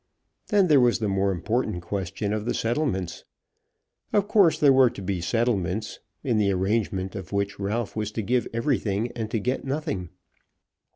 Then there was the more important question of the settlements. Of course there were to be settlements, in the arrangement of which Ralph was to give everything and to get nothing.